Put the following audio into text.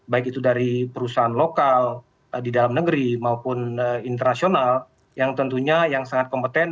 baik itu dari perusahaan lokal di dalam negeri maupun internasional yang tentunya yang sangat kompeten